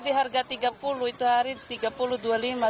di harga rp tiga puluh itu hari rp tiga puluh rp dua puluh lima